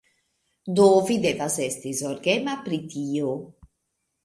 Do vi devas esti zorgema pri tiu...